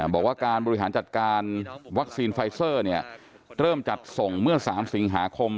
บอกว่าการบริหารจัดการวัคซีนไฟเซอร์เริ่มจัดส่งเมื่อ๓สิงหาคม